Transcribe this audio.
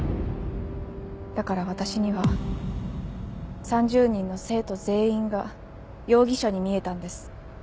だから私には３０人の生徒全員が容疑者に見えたんです。